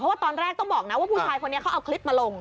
ว่าตอนแรกต้องบอกนะว่าผู้ชายคนนี้เขาเอาคลิปมาลง